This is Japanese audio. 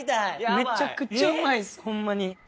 めちゃくちゃうまいですホンマ。